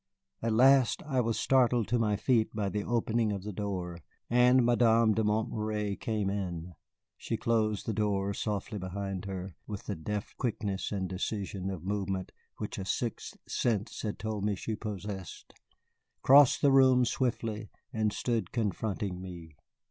At last I was startled to my feet by the opening of the door, and Madame de Montméry came in. She closed the door softly behind her, with the deft quickness and decision of movement which a sixth sense had told me she possessed, crossed the room swiftly, and stood confronting me.